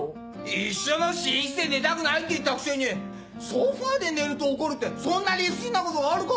一緒の寝室で寝たくないって言ったくせにソファで寝ると怒るってそんな理不尽なことがあるか？